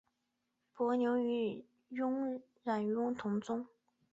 伯牛与冉雍同宗。